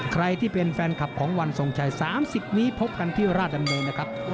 ใครที่เป็นแฟนคลับของวันทรงชัย๓๐นี้พบกันที่ราชดำเนินนะครับ